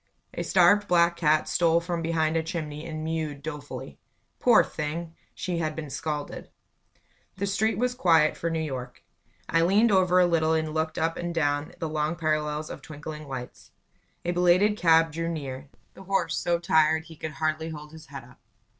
A starved, black cat stole from behind a chimney and mewed dolefully. Poor thing! She had been scalded. The street was quiet for New York. I leaned over a little and looked up and down the long parallels of twinkling lights. A belated cab drew near, the horse so tired he could hardly hold his head up.